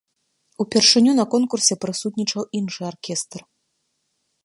Упершыню на конкурсе прысутнічаў іншы аркестр.